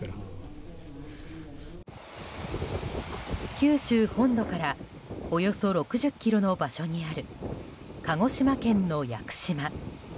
九州本土からおよそ６０ｋｍの場所にある鹿児島県の屋久島。